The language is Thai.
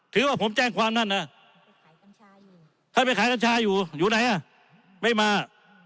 ถือว่าผมแจ้งความนั่นนะท่านไปขายกัญชาอยู่อยู่ไหนอ่ะไม่มา